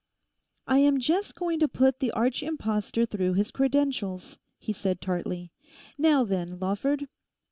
'I am just going to put the arch impostor through his credentials,' he said tartly. 'Now then, Lawford!